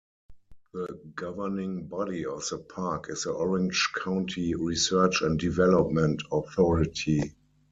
The governing body of the Park is the Orange County Research and Development Authority.